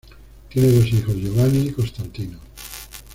Tienen dos hijos, Giovanni y Constantino.